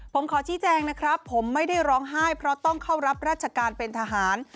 ผมขอชี้แจงนะครับผมไม่ได้ร้องไห้เพราะต้องเข้ารับราชการเป็นทหาร